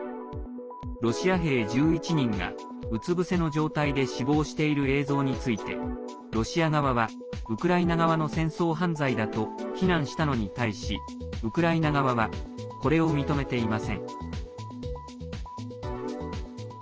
ロシア兵１１人がうつ伏せの状態で死亡している映像についてロシア側は、ウクライナ側の戦争犯罪だと非難したのに対しウクライナ側はこれを認めていません。